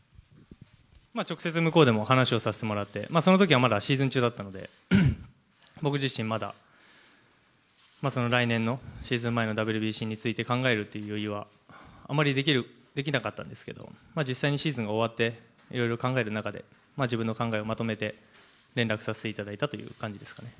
直接向こうでも話をさせてもらって、そのときはまだシーズン中だったので、僕自身まだ、来年のシーズン前のＷＢＣについて考えるっていう余裕は、あんまりできなかったんですけれども、実際にシーズンが終わっていろいろ考える中で、自分の考えをまとめて、連絡させていただいたという感じですかね。